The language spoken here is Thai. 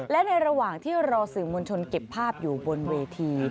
และในระหว่างที่รอสื่อมวลชนเก็บภาพอยู่บนเวที